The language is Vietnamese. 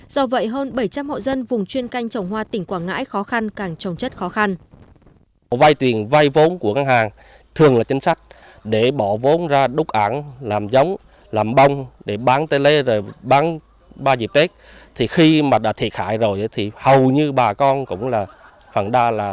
do vậy hơn bảy trăm linh hộ dân vùng chuyên canh trồng hoa tỉnh quảng ngãi khó khăn càng trồng chất khó khăn